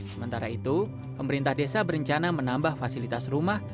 sementara itu pemerintah desa berencana menambah fasilitas rumah